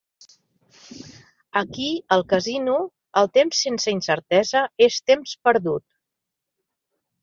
Aquí al casino el temps sense incertesa és temps perdut.